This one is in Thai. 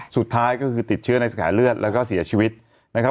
สุดท้ายก็คือติดเชื้อในกระแสเลือดแล้วก็เสียชีวิตนะครับ